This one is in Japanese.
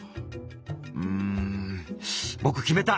「うんぼく決めた！」。